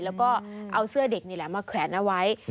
แล้วก็เอาเสื้อเด็กนี่แหละมาแขวนเอาไว้